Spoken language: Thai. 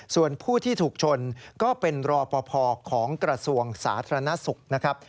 ส่วนผู้ที่ถูกชนก็เป็นรอปภของกระทรวงสาธารณสุขนะครับ